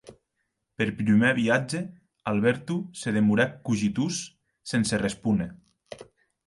Per prumèr viatge Alberto se demorèc cogitós, sense respóner.